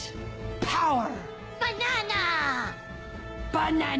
バナナ！